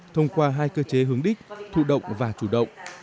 thông qua hai cơ chế hướng đích thụ động và chủ động